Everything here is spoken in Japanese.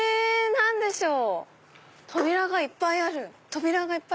何でしょう？